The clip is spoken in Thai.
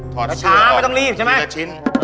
ทอดเสื้อออกเดี๋ยวชิ้น